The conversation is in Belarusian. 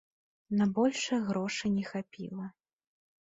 На большае грошай не хапіла.